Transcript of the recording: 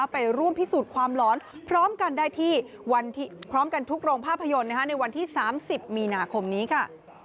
ไปร่วมพิสูจน์ความร้อนพร้อมกันทุกโรงภาพยนตร์ในวันที่๓๐มีนาคมนี้ค่ะ